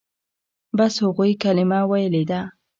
بس هغوى کلمه ويلې ده.